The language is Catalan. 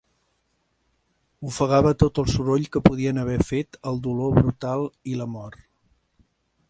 Ofegava tot el soroll que podien haver fet el dolor brutal i la mort.